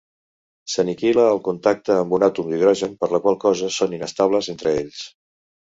S'aniquila al contacte amb un àtom d'hidrogen, per la qual cosa són inestables entre ells.